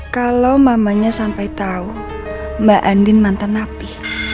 kalau mamanya sampai tahu mbak andin mantan napi